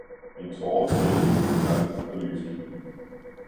en Taare trillede, klang og lyste.